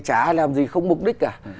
chả làm gì không mục đích cả